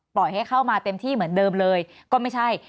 ให้เข้ามาเต็มที่เหมือนเดิมเลยก็ไม่ใช่